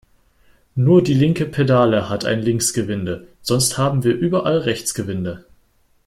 Nur die linke Pedale hat ein Linksgewinde, sonst haben wir überall Rechtsgewinde.